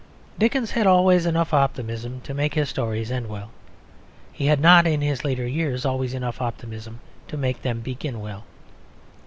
Dickens had always enough optimism to make his stories end well. He had not, in his later years, always enough optimism to make them begin well.